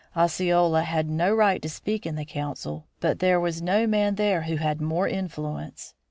Osceola had no right to speak in council, but there was no man there who had more influence.